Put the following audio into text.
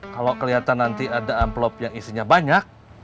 kalau kelihatan nanti ada amplop yang isinya banyak